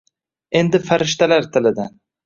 endi farishtalar tilidan